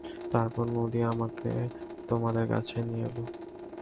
তারপর নদী আমাকে তোমাদের কাছে নিয়ে এলো।